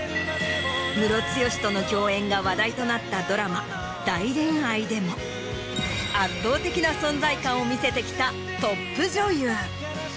ムロツヨシとの共演が話題となったドラマ『大恋愛』でも圧倒的な存在感を見せてきたトップ女優。